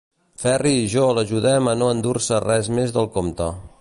Ferri i jo l'ajudem a no endur-se res més del compte.